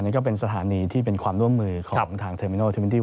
อันนี้ก็เป็นสถานีที่เป็นความร่วมมือของทางเทอร์มินัลที่๒๑